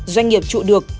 doanh nghiệp trụ được